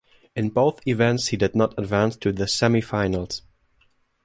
In both events he did not advance to the semifinals.